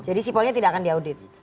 jadi sipolnya tidak akan diaudit